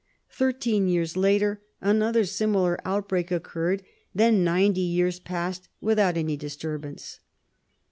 Thirteen years later another similar outbreak occurred; then ninety years passed without any disturbance.